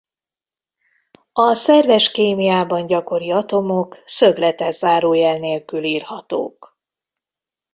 A szerves kémiában gyakori atomok szögletes zárójel nélkül írhatók.